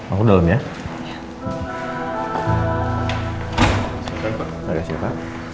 aku dalam ya